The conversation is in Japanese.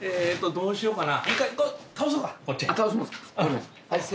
どうしようかな。